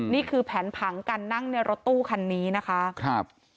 นี่คือแผนผังการนั่งในรถตู้คันนี้นะคะครับ